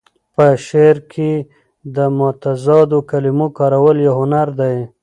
په شعر کې د متضادو کلمو کارول یو هنر دی.